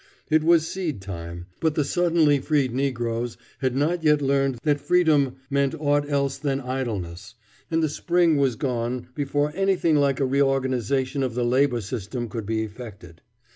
It was seed time, but the suddenly freed negroes had not yet learned that freedom meant aught else than idleness, and the spring was gone before anything like a reorganization of the labor system could be effected.